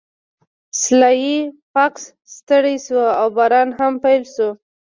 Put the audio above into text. سلای فاکس ستړی شو او باران هم پیل شو